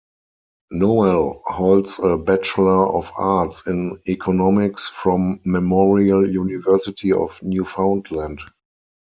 Noel holds a Bachelor of Arts in Economics from Memorial University of Newfoundland.